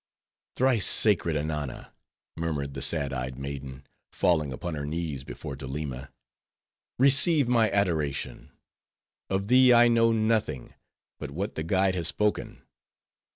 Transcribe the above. "Thrice sacred Ananna," murmured the sad eyed maiden, falling upon her knees before Doleema, "receive my adoration. Of thee, I know nothing, but what the guide has spoken.